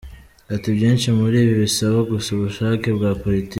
Ati “Byinshi muri ibi bisaba gusa ubushake bwa politiki.